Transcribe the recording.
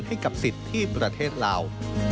ให้กับสิทธิ์ที่ประเทศลาว